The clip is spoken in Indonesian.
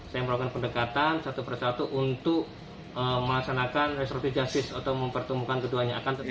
saya melakukan pendekatan satu persatu untuk melaksanakan resorti justice atau mempertemukan keduanya